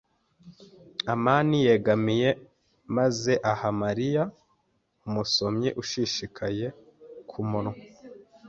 amani yegamiye maze aha Mariya umusomyi ushishikaye ku munwa.